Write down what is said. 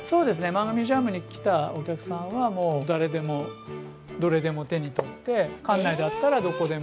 マンガミュージアムに来たお客さんはもう誰でもどれでも手にとって館内だったらどこでも。